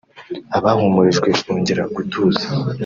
Abahumurijwe bongera gutuza